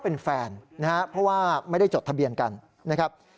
เพราะว่าไม่ได้จดทะเบียนกันนะครับ